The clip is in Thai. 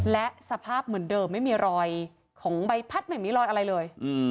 และสภาพเหมือนเดิมไม่มีรอยของใบพัดไม่มีรอยอะไรเลย